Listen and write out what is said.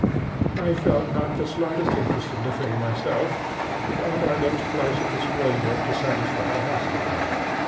I felt not the slightest interest in the thing myself, but I looked close at the scroll work to satisfy the housekeeper.